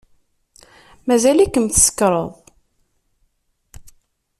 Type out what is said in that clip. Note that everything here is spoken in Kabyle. Mazal-ikem tsekṛed.